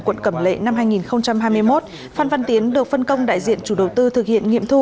quận cẩm lệ năm hai nghìn hai mươi một phan văn tiến được phân công đại diện chủ đầu tư thực hiện nghiệm thu